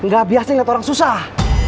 gak biasa lihat orang susah